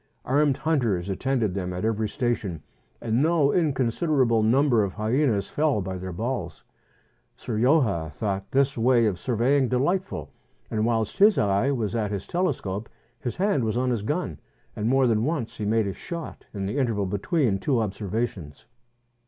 Armed hunters attended them at every station, and no inconsiderable number of hyenas fell by their balls. Sir Joha thought this way of surveying delightful, and whilst 93 MERIDIANA; THE ADVENTURES OF his eye was at his telescope his hand was on his gun, and more than once he made a shot in the interval between two observations.